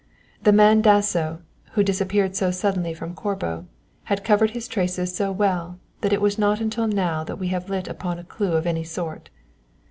The man Dasso, who disappeared so suddenly from Corbo, had covered his traces so well that it was not until now that we have lit upon a clue of any sort.